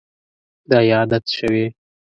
دا یې عادت شوی.